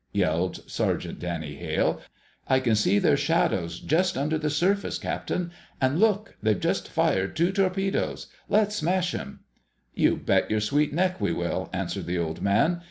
_" yelled Sergeant Danny Hale. "I can see their shadows just under the surface, Captain. And look—they've just fired two torpedoes! Let's smash 'em!" "You bet your sweet neck we will!" answered the Old Man.